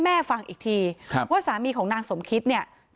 เพราะไม่เคยถามลูกสาวนะว่าไปทำธุรกิจแบบไหนอะไรยังไง